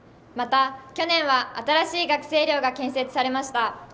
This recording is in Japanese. また去年は、新しい学生寮が建設されました。